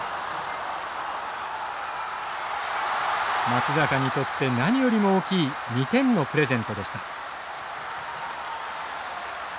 松坂にとって何よりも大きい２点のプレゼントでした。